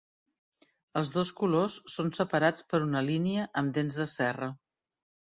Els dos colors són separats per una línia amb dents de serra.